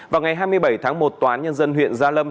vào ngày hai mươi bảy tháng một toán nhân dân huyện gia lâm